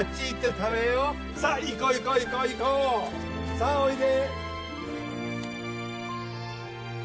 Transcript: さあおいで！